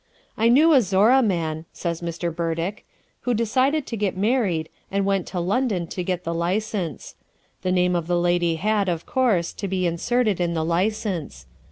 "I knew a Zorra man," says Mr. Burdick, "who decided to get married, and went to London to get the license. The name of the lady had, of course, to be inserted in the license.